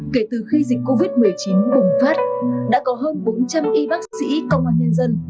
kể từ khi dịch covid một mươi chín bùng phát đã có hơn bốn trăm linh y bác sĩ công an nhân dân